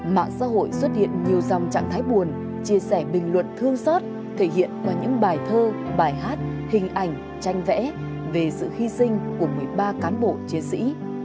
mạng xã hội xuất hiện nhiều dòng trạng thái buồn chia sẻ bình luận thương xót thể hiện qua những bài thơ bài hát hình ảnh tranh vẽ về sự hy sinh của một mươi ba cán bộ chiến sĩ